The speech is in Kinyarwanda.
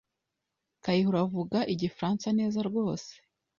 Kayihura avuga igifaransa neza rwose.